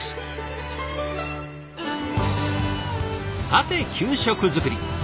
さて給食作り。